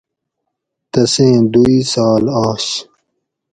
تسیں دو اِسال آش